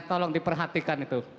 tolong diperhatikan itu